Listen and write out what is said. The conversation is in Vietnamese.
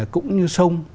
cũng như sông